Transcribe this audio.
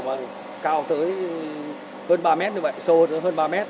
và cao tới hơn ba mét như vậy sôi tới hơn ba mét